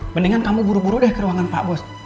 mendingan kamu buru buru deh ke ruangan pak bos